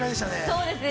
◆そうですね。